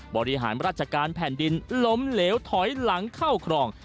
บริหารราชการแผ่นดินล้มเหลวถอยหลังเข้าครอง